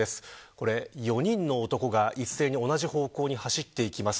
これ、４人の男が一斉に同じ方向に走っていきます。